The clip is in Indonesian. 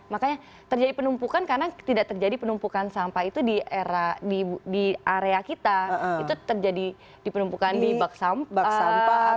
makanya terjadi penumpukan karena tidak terjadi penumpukan sampah itu di area kita itu terjadi penumpukan di bag sampah